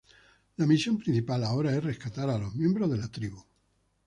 La misión principal ahora es rescatar a los miembros de la tribu.